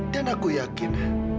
dan aku yakin